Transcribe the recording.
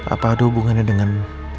apa ada hubungannya dengan